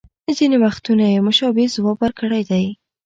ځینې وختونه یې مشابه ځواب ورکړی دی